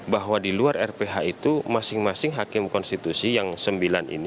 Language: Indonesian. bahwa di luar rph itu masing masing hakim konstitusi yang sembilan ini